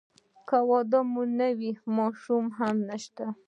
که واده مو نه وي ماشومان هم نشته.